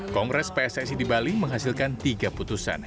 kongres pssi di bali menghasilkan tiga putusan